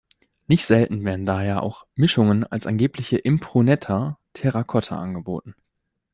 Nicht selten werden daher auch Mischungen als angebliche „Impruneta“-Terrakotta angeboten.